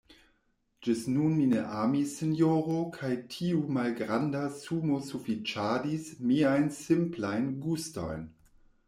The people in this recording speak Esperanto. Ĝis nun, mi ne amis, sinjoro, kaj tiu malgranda sumo sufiĉadis miajn simplajn gustojn.